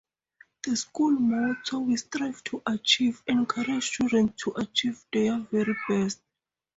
The school motto "We Strive to Achieve" encourages students to achieve their very best.